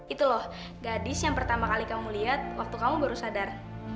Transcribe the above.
itu loh gadis yang pertama kali kamu lihat waktu kamu baru sadar